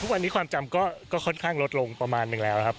ทุกวันนี้ความจำก็ค่อนข้างลดลงประมาณนึงแล้วครับ